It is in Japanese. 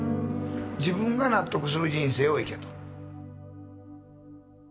自分が納得する人生を行けと。